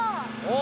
お！